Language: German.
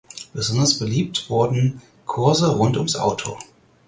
Besonders beliebt wurden Kurse rund ums Auto.